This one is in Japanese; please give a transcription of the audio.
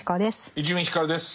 伊集院光です。